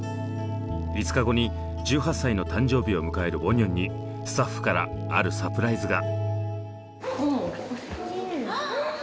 ５日後に１８歳の誕生日を迎えるウォニョンにスタッフからあるサプライズが。